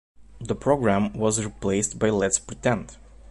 The programme was replaced by "Let's Pretend".